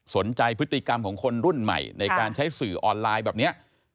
สนใจพฤติกรรมของคนรุ่นใหม่ในการใช้สื่อออนไลน์แบบนี้